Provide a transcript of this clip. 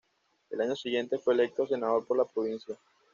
Al año siguiente fue electo senador por la provincia.